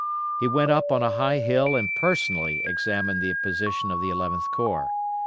He went up on a high hill and personally examined the position of the Eleventh Corps.